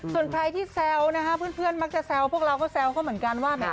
ส่วนใครที่แซวนะฮะเพื่อนมักจะแซวพวกเราก็แซวเขาเหมือนกันว่าแหม